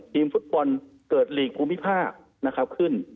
ทีมฟุตบอลเกิดหลีกภูมิภาคขึ้น